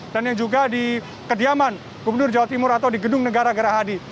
dan yang juga di kediaman gubernur jawa timur atau di gedung negara negara hadi